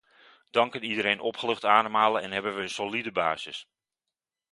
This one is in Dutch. Dan kan iedereen opgelucht ademhalen, en hebben wij een solide basis.